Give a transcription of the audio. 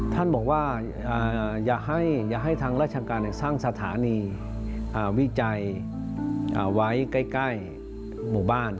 ท่านบอกว่าอย่าให้ทางราชการสร้างสถานีวิจัยไว้ใกล้หมู่บ้าน